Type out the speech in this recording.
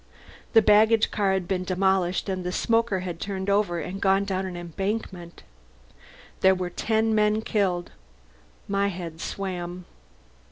The baggage car had been demolished and the smoker had turned over and gone down an embankment. There were ten men killed... my head swam.